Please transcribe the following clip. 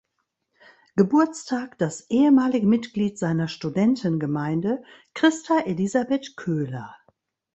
Geburtstag das ehemalige Mitglied seiner Studentengemeinde Christa Elisabeth Köhler.